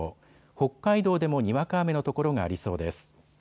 北海道でもにわか雨の所がありそうです。